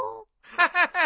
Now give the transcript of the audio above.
ハハハッ。